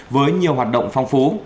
với nhiều hoạt động phong phú